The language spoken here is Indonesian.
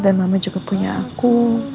dan mama juga punya aku